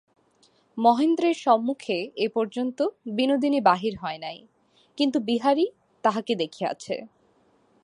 মহেন্দ্রের সম্মুখে এ পর্যন্ত বিনোদিনী বাহির হয় নাই, কিন্তু বিহারী তাহাকে দেখিয়াছে।